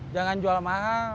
jangan jual mahal